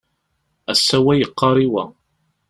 Ass-a wa yeqqar i wa.